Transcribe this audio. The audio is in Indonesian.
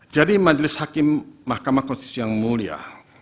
jadi majelis hakim mahkamah konstitusi yang mulia